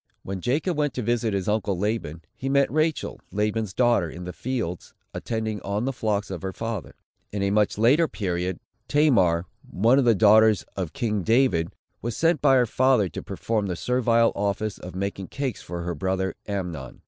When Jacob went to visit his uncle Laban, he met Rachel, Laban's daughter, in the fields, attending on the flocks of her father. In a much later period, Tamar, one of the daughters of king David, was sent by her father to perform the servile office of making cakes for her brother Amnon.